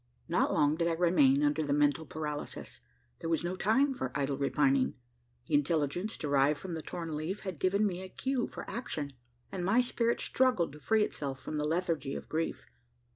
Not long did I remain under the mental paralysis. There was no time for idle repining. The intelligence, derived from the torn leaf, had given me a cue for action; and my spirit struggled to free itself from the lethargy of grief.